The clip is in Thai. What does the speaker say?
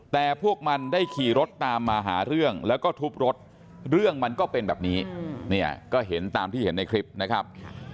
แต่พวกมันได้ขี่รถตามมาหาเรื่องแล้วก็ทุบรถเรื่องมันก็เป็นแบบนี้เนี่ยก็เห็นตามที่เห็นในคลิปนะครับ